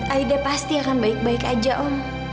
aida pasti akan baik baik aja om